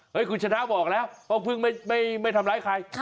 คุณชนะบอกแล้วว่าเพิ่งไม่ทำร้ายใคร